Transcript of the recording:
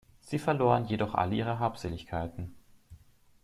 Sie verloren jedoch all ihre Habseligkeiten.